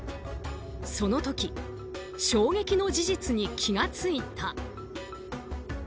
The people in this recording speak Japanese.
その時、衝撃の事実に気が付いた。